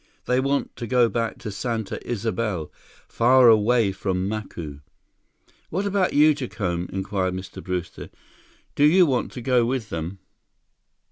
They want to go back to Santa Isabel—far away from Macu." "What about you, Jacome?" inquired Mr. Brewster. "Do you want to go with them?"